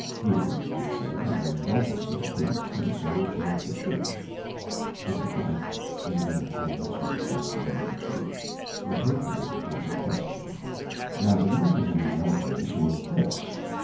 Here, he said, are indulgences preached and sold through out the Church: is it right? is it in accord ance with the gospel and the truth? The paper was a question. Now the meaning of an indulgence was this.